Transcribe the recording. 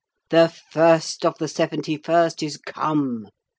The First of the Seventy First is come.